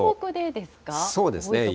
そうですね。